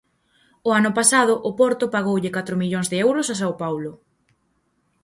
O ano pasado o Porto pagoulle catro millóns de euros ao Sao Paulo.